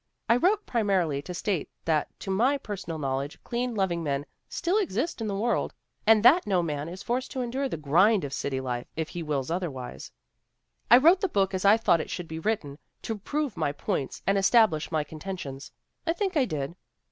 " 'I wrote pri marily to state that to my personal knowledge, clean, loving men still exist in this world, and that no man is forced to endure the grind of city life if he wills otherwise. ... I wrote the book as I thought it should be written, to prove my points and establish my con tentions. I think it did.